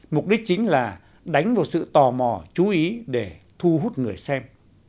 mục đích chính là đánh vào sự tò mò chú ý để thu hút người xem